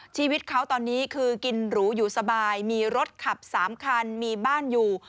ชีวิตเขาตอนนี้คือกินหรูอยู่สบายมีรถขับ๓คันมีบ้านอยู่